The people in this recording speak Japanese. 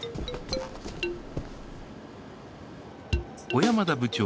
小山田部長